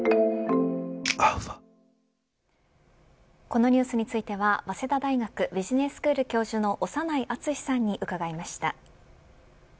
このニュースについては早稲田大学ビジネススクール教授の長内厚さんに伺いました。